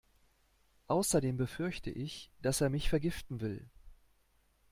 Außerdem befürchte ich, dass er mich vergiften will.